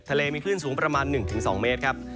ทะเลมีคลื่นสูงประมาณ๑๒เมตรครับ